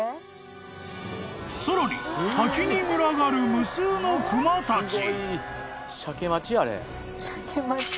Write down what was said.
［さらに滝に群がる無数の熊たち］